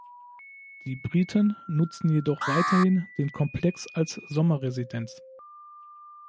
Die Briten nutzen jedoch weiterhin den Komplex als Sommerresidenz.